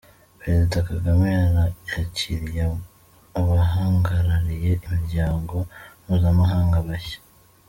Perezida Kagame yakiriye abahagarariye imiryango mpuzamahanga bashya